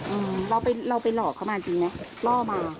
อืมเราไปเราไปหลอกเขามาจริงไหมล่อมา